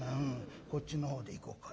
こっちのほうでいこうか。